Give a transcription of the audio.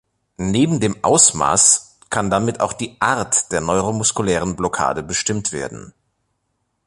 Neben dem Ausmaß kann damit auch die Art der neuromuskulären Blockade bestimmt werden.